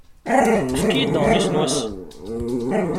Efk-iyi-d aɣmis n wass-a!